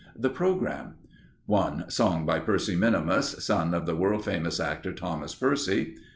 THE PROGRAMME 1. Song by Percy Minimus (son of the world famous actor, Thomas Percy).